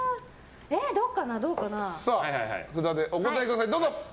札でお答えください、どうぞ。